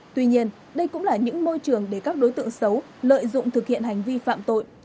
tuy nhiên đây cũng là những môi trường để các đối tượng xấu lợi dụng thực hiện hành vi phạm tội